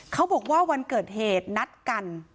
เขาบอกว่าวันเกิดเหตุนัดกัน